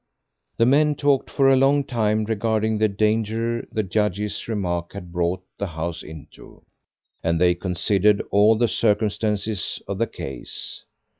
The men talked for a long time regarding the danger the judge's remarks had brought the house into; and they considered all the circumstances of the case.